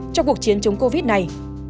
trong cuộc chiến chống covid này